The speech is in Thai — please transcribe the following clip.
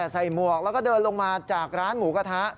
หมวกแล้วก็เดินลงมาจากร้านหมูกระทะ